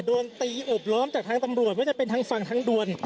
โดนตีอบล้อมจากทางตำรวจว่าจะเป็นทางฝั่งทางด่วน